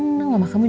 tunggu tangan dong